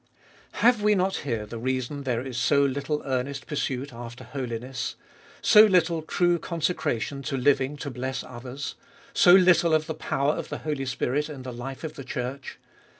1. Have we not here the reason there Is so little earnest pursuit after holiness ? so little true consecration to living to bless others ? so little of the power of the Holy Spirit in the life of the Church